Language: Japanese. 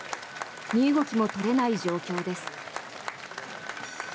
身動きも取れない状況です。